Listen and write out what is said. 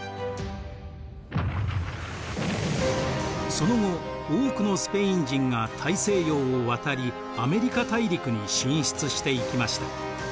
その後多くのスペイン人が大西洋を渡りアメリカ大陸に進出していきました。